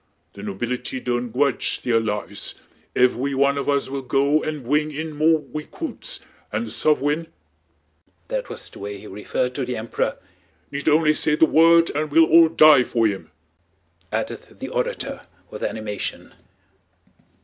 The nobility don't gwudge theah lives—evewy one of us will go and bwing in more wecwuits, and the sov'weign" (that was the way he referred to the Emperor) "need only say the word and we'll all die fo' him!" added the orator with animation.